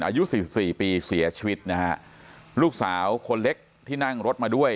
อายุสี่สิบสี่ปีเสียชีวิตนะฮะลูกสาวคนเล็กที่นั่งรถมาด้วย